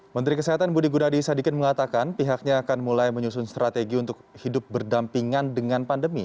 menteri kesehatan budi gunadi sadikin mengatakan pihaknya akan mulai menyusun strategi untuk hidup berdampingan dengan pandemi